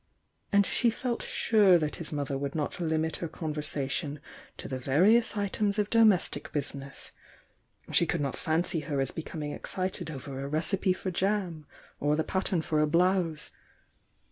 And she felt sure that his mother would not limit her con versation to the various items of domestic business; she could not fancy her as becoming excited over a recipe for jam, or the pattern for a blouse.